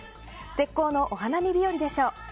絶好のお花見日和でしょう。